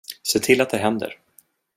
Se till att det händer.